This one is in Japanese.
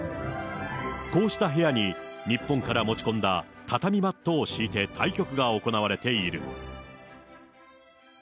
こうした部屋に、日本から持ち込んだ畳マットを敷いて対局が行われている。